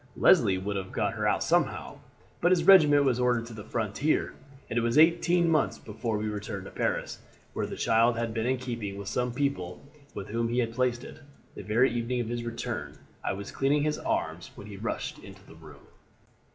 Leslie would have got her out somehow; but his regiment was ordered to the frontier, and it was eighteen months before we returned to Paris, where the child had been in keeping with some people with whom he had placed it. The very evening of his return I was cleaning his arms when he rushed into the room.